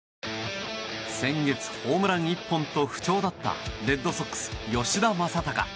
先月、ホームラン１本と不調だったレッドソックス、吉田正尚。